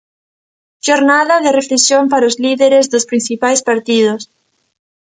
Xornada de reflexión para os líderes dos principais partidos...